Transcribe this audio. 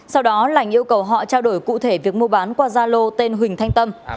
sau đó lành yêu cầu họ trao đổi cụ thể việc mua bán qua gia lô tên huỳnh thanh tâm